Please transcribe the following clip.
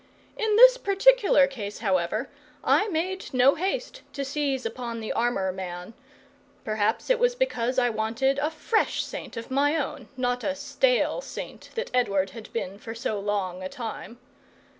In this particular case, however, I made no haste to seize upon the armour man. Perhaps it was because I wanted a FRESH saint of my own, not a stale saint that Edward had been for so long a time.